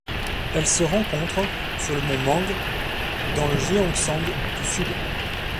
Elle se rencontre sur le mont Mang dans le Gyeongsang du Sud.